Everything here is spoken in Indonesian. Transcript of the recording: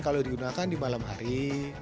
kalau digunakan di malam hari